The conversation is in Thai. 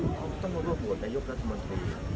นะครับเค้าต้องมาร่วมโหวดไนยกรัฐมนธ